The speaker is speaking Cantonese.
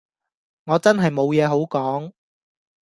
我真係冇嘢好講